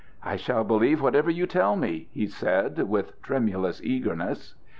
"I shall believe whatever you tell me," he said, with tremulous eagerness.